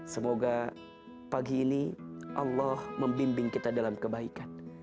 semoga pagi ini allah membimbing kita dalam kebaikan